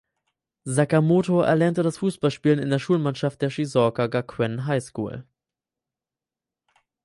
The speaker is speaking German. Sakamoto erlernte das Fußballspielen in der Schulmannschaft der "Shizuoka Gakuen High School".